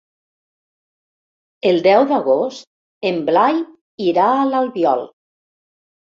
El deu d'agost en Blai irà a l'Albiol.